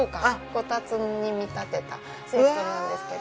こたつに見立てたセットなんですけど。